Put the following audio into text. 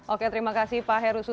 oke terima kasih pak herusu